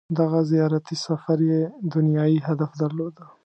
• دغه زیارتي سفر یې دنیايي هدف درلود.